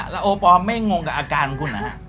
แล้วโอปอลไม่งงกับอาการของคุณนะฮะ